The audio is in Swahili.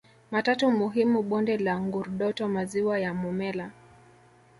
matatu muhimu bonde la Ngurdoto maziwa ya Momella